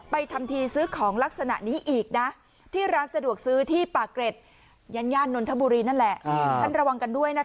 ทำทีซื้อของลักษณะนี้อีกนะที่ร้านสะดวกซื้อที่ปากเกร็ดย่านนทบุรีนั่นแหละท่านระวังกันด้วยนะคะ